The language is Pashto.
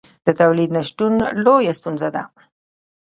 د تولید نشتون لویه ستونزه ده.